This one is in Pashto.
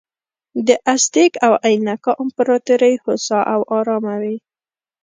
د ازتېک او اینکا امپراتورۍ هوسا او ارامه وې.